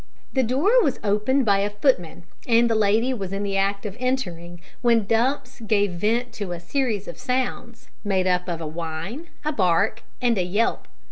The door was opened by a footman, and the lady was in the act of entering when Dumps gave vent to a series of sounds, made up of a whine, a bark, and a yelp.